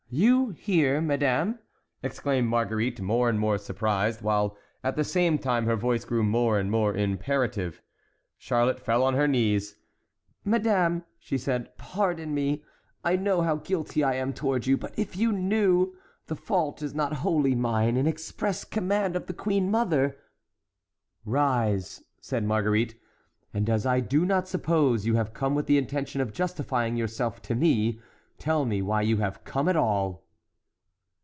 "You here, madame?" exclaimed Marguerite, more and more surprised, while at the same time her voice grew more and more imperative. Charlotte fell on her knees. "Madame," she said, "pardon me! I know how guilty I am toward you; but if you knew—the fault is not wholly mine; an express command of the queen mother"— "Rise!" said Marguerite, "and as I do not suppose you have come with the intention of justifying yourself to me, tell me why you have come at all."